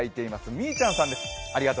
みーちゃんさんです。